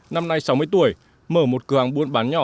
năm nay sáu mươi tuổi mở một cửa hàng buôn bán nhỏ